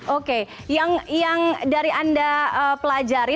oke yang dari anda pelajari